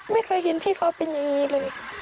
ไม่เคยเห็นพี่เขาเป็นอย่างนี้เลย